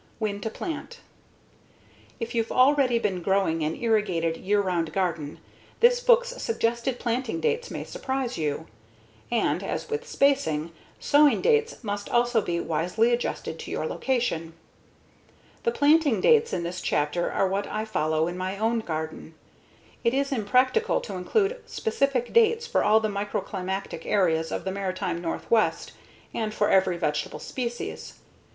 When to Plant If you've already been growing an irrigated year round garden, this book's suggested planting dates may surprise you. And as with spacing, sowing dates must also be wisely adjusted to your location. The planting dates in this chapter are what I follow in my own garden. It is impractical to include specific dates for all the microclimatic areas of the maritime Northwest and for every vegetable species.